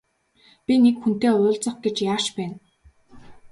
Би нэг хүнтэй уулзах гэж яарч байна.